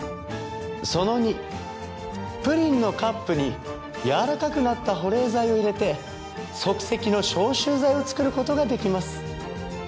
その２プリンのカップにやわらかくなった保冷剤を入れて即席の消臭剤を作る事が出来ます。